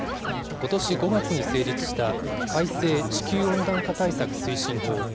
ことし５月に成立した、改正地球温暖化対策推進法。